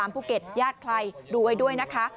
ภูเก็ตญาติใครดูไว้ด้วยนะคะ